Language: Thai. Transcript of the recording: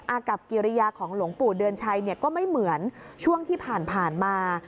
กับกิริยาของหลวงปู่เดือนชัยก็ไม่เหมือนช่วงที่ผ่านมา